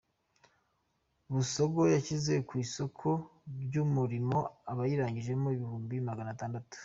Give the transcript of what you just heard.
Busogo yashyize ku isoko ry’umurimo abayirangijemo igihumbi namagana tandatu